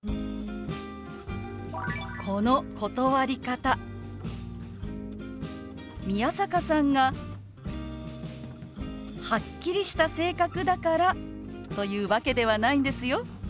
この断り方宮坂さんがはっきりした性格だからというわけではないんですよ。